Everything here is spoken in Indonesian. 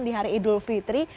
di hari idul fitri